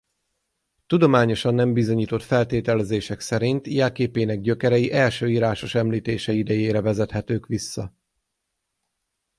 Tudományosan nem bizonyított feltételezések szerint jelképének gyökerei első írásos említése idejére vezethetők vissza.